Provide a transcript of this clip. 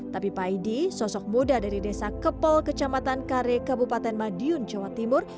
tapi paidi sosok muda dari desa kepol kecamatan kare kabupaten madiun jawa timur